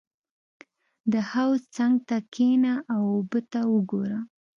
• د حوض څنګ ته کښېنه او اوبه ته وګوره.